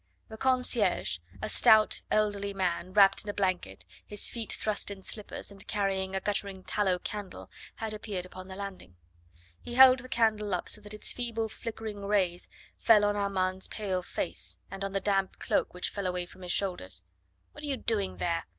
The concierge, a stout, elderly man, wrapped in a blanket, his feet thrust in slippers, and carrying a guttering tallow candle, had appeared upon the landing. He held the candle up so that its feeble flickering rays fell on Armand's pale face, and on the damp cloak which fell away from his shoulders. "What are you doing there?"